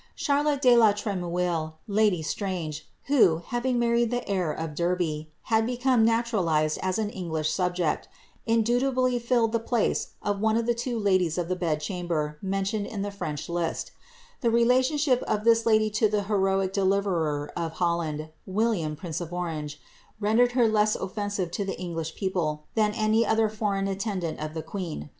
Charlotte de la Tremouille, lady Strange,* who, having married the heir of Derby, liad become naturalized as an English subject, indubitably filled the place of one of the two ladies of the bed chamber, mentioned in the French list The relationship of this lady to the heroic deliverer of Holland, William, prince of Orange^ rendered her less ofiensive to the English people, than any other foreign attendant of the queen.